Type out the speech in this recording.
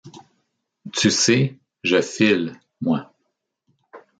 Tu sais, je file, moi. ..